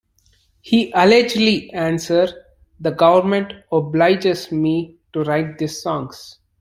He allegedly answered: The government obliges me to write these songs.